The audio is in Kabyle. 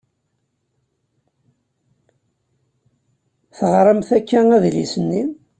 Teɣṛamt akka adlis-nni?